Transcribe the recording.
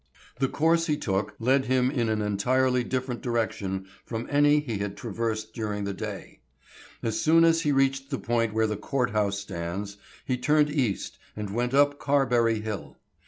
The course he took led him in an entirely different direction from any he had traversed during the day. As soon as he reached the point where the court house stands, he turned east and went up Carberry hill.